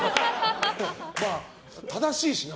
まあ、正しいしな。